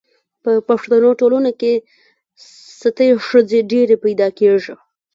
په پښتنو ټولنو کي ستۍ ښځي ډیري پیدا کیږي